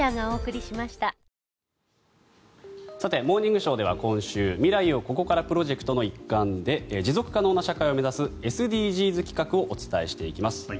「モーニングショー」では今週未来をここからプロジェクトの一環で持続可能な社会を目指すＳＤＧｓ企画をお伝えしていきます。